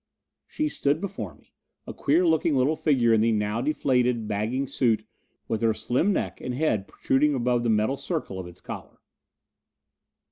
She stood before me, a queer looking little figure in the now deflated, bagging suit with her slim neck and head protruding above the metal circle of its collar.